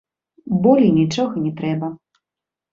Болей нічога не трэба.